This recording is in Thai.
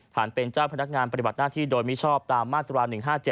เป็นเจ้าพนักงานปฏิบัติหน้าที่โดยมิชอบตามมาตรา๑๕๗